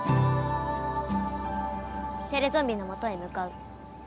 テレゾンビのもとへむかう。